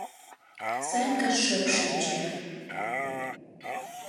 Санька шып шинча.